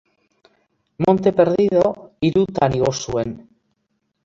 Monte Perdido hirutan igo zuen.